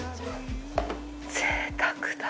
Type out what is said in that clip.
ぜいたくだ。